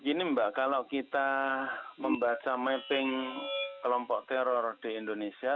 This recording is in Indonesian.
gini mbak kalau kita membaca mapping kelompok teror di indonesia